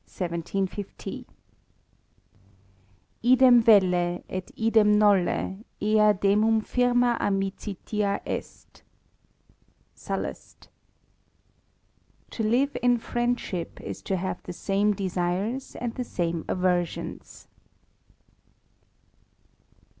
'* Idem vellCf et idem nolle^ ea demumfirma amicitia est. Sallust. '* To live in friendship is to have the same deares and the same aversions."